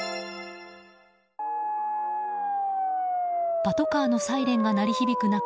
パトカーのサイレンが鳴り響く中